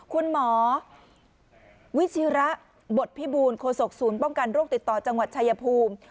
คุณหมอวิชิระบทพิบูลโคศกศูนย์ป้องกันโรคติดต่อจังหวัดชายภูมิ